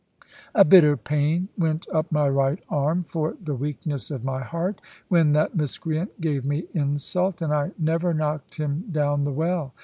A bitter pain went up my right arm, for the weakness of my heart, when that miscreant gave me insult, and I never knocked him down the well.